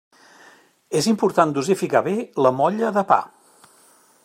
És important dosificar bé la molla de pa.